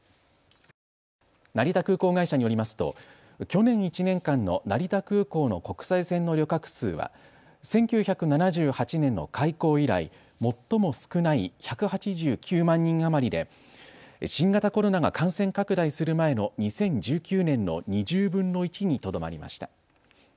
成田空港会社によりますと去年１年間の成田空港の国際線の旅客数は１９７８年の開港以来、最も少ない１８９万人余りで新型コロナが感染拡大する前の２０１９年の２０分の１にとどまりました。